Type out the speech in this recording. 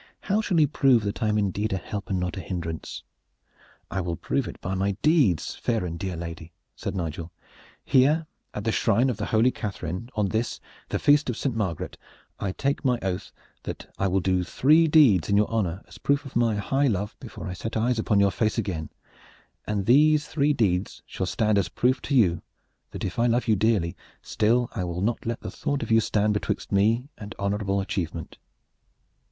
How shall you prove that I am indeed a help and not a hindrance?" "I will prove it by my deeds, fair and dear lady," said Nigel. "Here at the shrine of the holy Catharine, on this, the Feast of Saint Margaret, I take my oath that I will do three deeds in your honor as a proof of my high love before I set eyes upon your face again, and these three deeds shall stand as a proof to you that if I love you dearly, still I will not let the thought of you stand betwixt me and honorable achievement!"